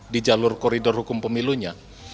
di jalur koridor hukum pemilunya